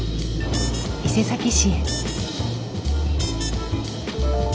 伊勢崎市へ。